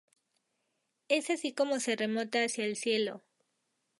Es así como se remonta hacia el cielo!".